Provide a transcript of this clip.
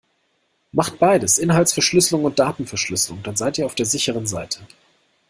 Macht beides, Inhaltsverschlüsselung und Datenverschlüsselung, dann seit ihr auf der sicheren Seite.